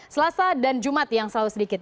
selasa dan jumat yang selalu sedikit